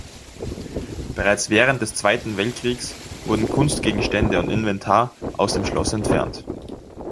Bereits während des Zweiten Weltkrieges wurden Kunstgegenstände und Inventar aus dem Schloss entfernt.